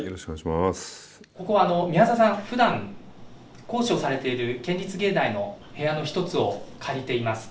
ここは宮沢さんふだん講師をされている県立芸大の部屋の１つを借りています。